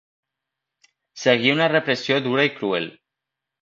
Seguí una repressió dura i cruel.